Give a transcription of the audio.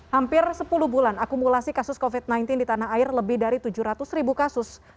hampir sepuluh bulan akumulasi kasus covid sembilan belas di tanah air lebih dari tujuh ratus ribu kasus